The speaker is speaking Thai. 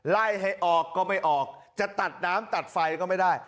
ไล่ให้ออกก็ไม่ออกจะตัดน้ำตัดไฟก็ไม่ได้